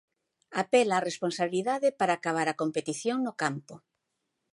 Apela á responsabilidade para acabar a competición no campo.